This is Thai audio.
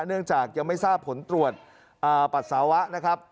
เนื่องจากยังไม่ทราบผลตรวจปัสสาวะนะครับ